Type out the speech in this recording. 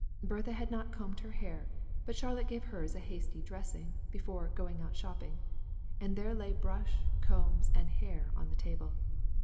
Bertha had not combed her hair; but Charlotte gave hers a hasty dressing before "going out shopping;" and there lay brush, combs, and hair on the table.